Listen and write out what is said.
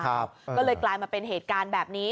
ก็เลยกลายมาเป็นเหตุการณ์แบบนี้